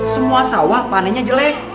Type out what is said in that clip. semua sawah panenya jelek